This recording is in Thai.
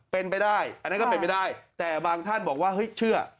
เป็นไปได้อันนั้นก็เป็นไปได้แต่บางท่านบอกว่าเฮ้ยเชื่อ